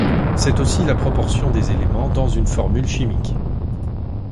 C'est aussi la proportion des éléments dans une formule chimique.